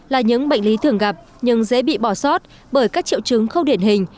là những bệnh lý thường gặp nhưng dễ bị bỏ sót bởi các triệu chứng không điển hình